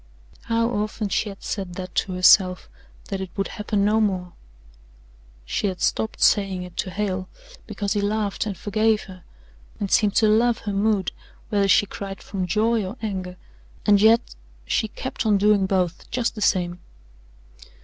How often she had said that to herself that it would happen no more she had stopped saying it to Hale, because he laughed and forgave her, and seemed to love her mood, whether she cried from joy or anger and yet she kept on doing both just the same.